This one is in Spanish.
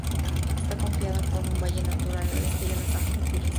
Está confinada por un valle natural al este, y una zanja artificial al oeste.